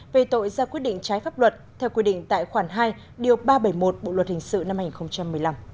về tội ra quyết định trái pháp luật theo quy định tại khoản hai điều ba trăm bảy mươi một bộ luật hình sự năm hai nghìn một mươi năm